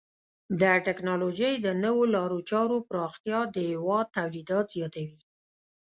د ټکنالوژۍ د نوو لارو چارو پراختیا د هیواد تولیداتو زیاتوي.